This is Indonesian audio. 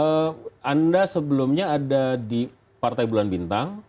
oke anda sebelumnya ada di partai bulan bintang